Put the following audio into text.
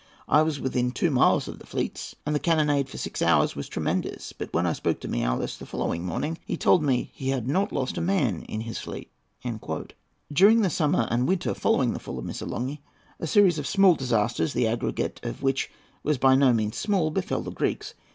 I was within two miles of the fleets, and the cannonade for six hours was tremendous; but when I spoke to Miaoulis the following morning he told me he had not lost a man in his fleet."[A] [Footnote A: "Despatches of the Duke of Wellington," vol. iii., p. 338.] During the summer and winter following the fall of Missolonghi a series of small disasters, the aggregate of which was by no means small, befel the Greeks.